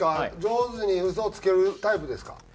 上手にウソをつけるタイプですか？